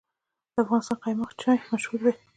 د افغانستان قیماق چای مشهور دی